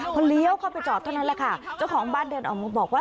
พอเลี้ยวเข้าไปจอดเท่านั้นแหละค่ะเจ้าของบ้านเดินออกมาบอกว่า